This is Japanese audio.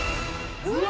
うわ！